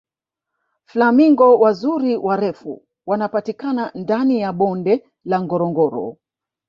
flamingo wazuri warefu wanapatikana ndani ya bonde la ngorongoro